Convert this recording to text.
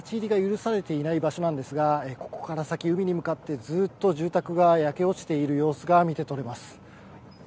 そして、この先は未だ立ち入りが許されていない場所なんですが、ここから先、海に向かってずっと住宅が焼け落ちている様子が見て取れます。